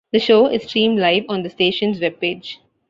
The show is streamed live on the station's webpage.